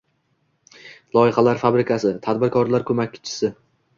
“Loyihalar fabrikasi” – tadbirkorlar ko‘makchising